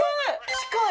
近い！